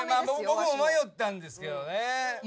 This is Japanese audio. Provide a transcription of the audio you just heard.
僕も迷ったんですけどね。